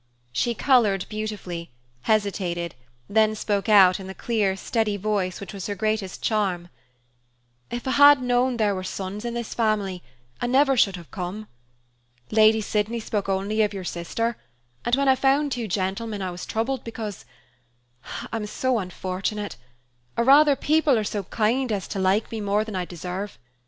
She colored beautifully, hesitated, then spoke out in the clear, steady voice which was her greatest charm, "If I had known there were sons in this family, I never should have come. Lady Sydney spoke only of your sister, and when I found two gentlemen, I was troubled, because I am so unfortunate or rather, people are so kind as to like me more than I deserve.